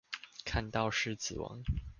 看到獅子王